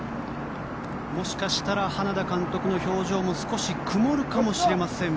もしかしたら花田監督の表情も少し曇るかもしれません。